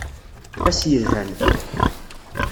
Ass yelhan.